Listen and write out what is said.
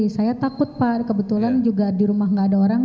saya takut pak kebetulan juga di rumah nggak ada orang